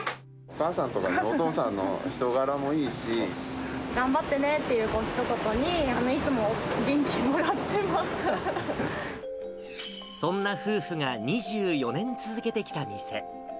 お母さんとお父さんの人柄も頑張ってねというひと言に、そんな夫婦が２４年続けてきた店。